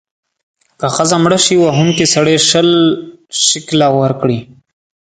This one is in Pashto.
که ښځه مړه شي، وهونکی سړی شل شِکِله ورکړي.